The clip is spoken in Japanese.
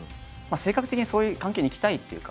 性格的にそういう環境に行きたいっていうか